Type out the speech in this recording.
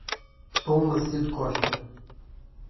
Dom Macedo Costa